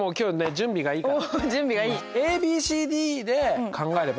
準備がいい！は